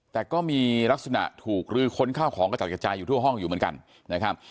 แต่ก็มีลักษณะถูกลื้อค้นข้าวของกระจัดกระจายอยู่ทั่วห้องอยู่เหมือนกันนะครับ